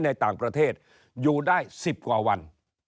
ในต่างประเทศอยู่ได้๑๐กว่าวัน